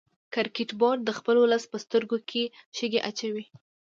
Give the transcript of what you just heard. کرکټ بورډ د خپل ولس په سترګو کې شګې اچوي